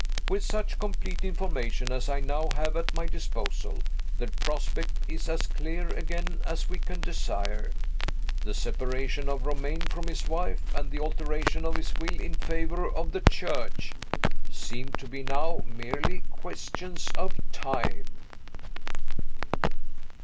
With such complete information as I now have at my disposal, the prospect is as clear again as we can desire. The separation of Romayne from his wife, and the alteration of his will in favor of the Church, seem to be now merely questions of time.